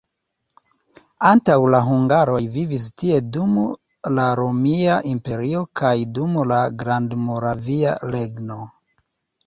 Antaŭ la hungaroj vivis tie dum la Romia Imperio kaj dum la Grandmoravia Regno.